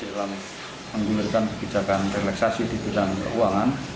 dalam menggunakan kebijakan relaksasi di bidang keuangan